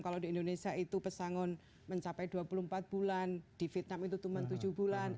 kalau di indonesia itu pesangon mencapai dua puluh empat bulan di vietnam itu cuma tujuh bulan